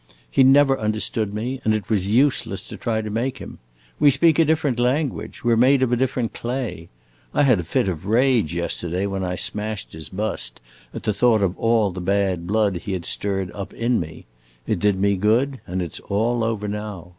He never understood me, and it was useless to try to make him. We speak a different language we 're made of a different clay. I had a fit of rage yesterday when I smashed his bust, at the thought of all the bad blood he had stirred up in me; it did me good, and it 's all over now.